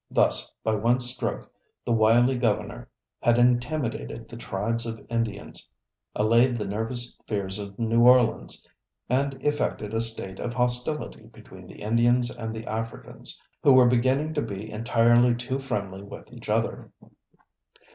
" Thus, by one stroke the wily Governor had intimidated the tribes of Indians, allayed the nervous fears of New Orleans, and effected a state of hostility between the Indians and the Africans, who were beginning to be entirely too friendly with each other.